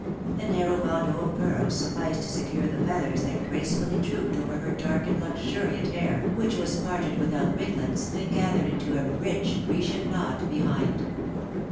A narrow bandeau of pearls sufficed to secure the feathers that gracefully drooped over her dark and luxuriant hair, which was parted without ringlets, and gathered into a rich Grecian knot behind.